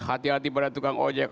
hati hati pada tukang ojek